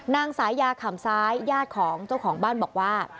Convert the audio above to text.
นายสายาขำซ้ายญาติของเจ้าของบ้านบอกว่า